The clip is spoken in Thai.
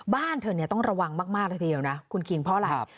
บ้านเธอเนี่ยต้องระวังมากเลยทีเดียวนะคุณคิงเพราะอะไร